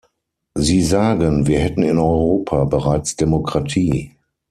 Sie sagen, wir hätten in Europa bereits Demokratie.